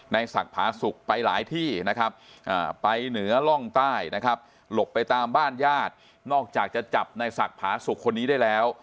ศักดิ์ผาสุกไปหลายที่นะครับไปเหนือร่องใต้นะครับหลบไปตามบ้านญาตินอกจากจะจับในศักดิ์ผาสุกคนนี้ได้แล้ว